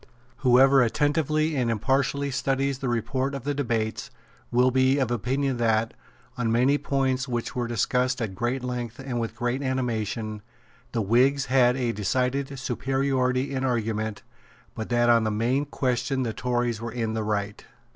Whoever attentively and impartially studies the report of the debates will be of opinion that, on many points which were discussed at great length and with great animation, the Whigs had a decided superiority in argument, but that on the main question the Tories were in the right.